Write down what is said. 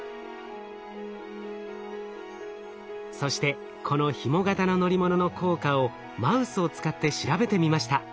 そしてこのひも型の乗り物の効果をマウスを使って調べてみました。